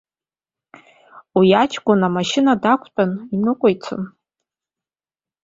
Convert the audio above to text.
Уи аҷкәын амашьына дақәтәан, иныҟәицон.